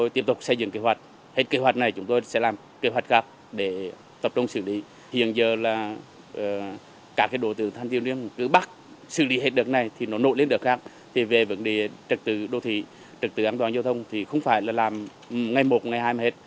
trực tự an toàn giao thông thì không phải là làm ngày một ngày hai mà hết